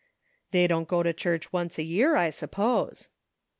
"They don't go to church once a year, I suppose."